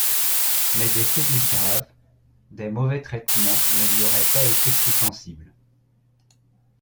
Mais des sévices graves, des mauvais traitements ne lui auraient pas été plus sensibles.